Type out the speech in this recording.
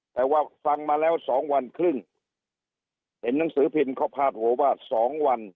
แต่ว่าฟังมาแล้วสองวันครึ่งเห็นหนังสือพิมพ์เขาพาดหัวว่าสองวัน